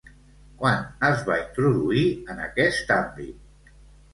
Quan es va introduir en aquest àmbit?